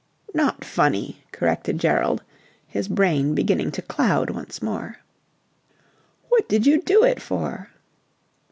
"Not funny," corrected Gerald, his brain beginning to cloud once more. "What did you do it for?"